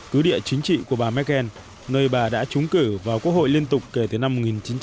cứ địa chính trị của bà merkel nơi bà đã trúng cử vào quốc hội liên tục kể từ năm một nghìn chín trăm chín mươi